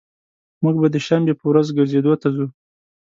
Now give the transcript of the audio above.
موږ به د شنبي په ورځ ګرځیدو ته ځو